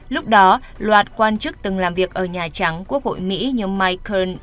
lúc đó loạt quan chức từng làm việc ở nhà trắng quốc hội mỹ như mike kern